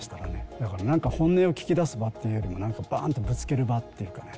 だからなんか本音を聞き出す場っていうよりもなんかバーン！ってぶつける場っていうかね。